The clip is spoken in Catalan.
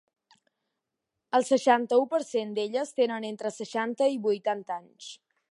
El seixanta-u per cent d’elles tenen entre seixanta i vuitanta anys.